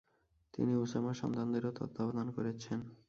তিনি উসামার সন্তানদেরও তত্ত্বাবধান করেছেন।